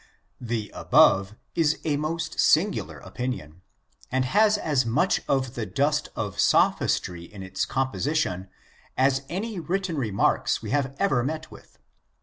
The above is a most singular opinion, and has as much of the dust of sophistry in its composition as any written remarks we have ever met with.